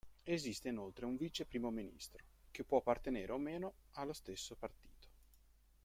Esiste inoltre un vice primo ministro, che può appartenere o meno allo stesso partito.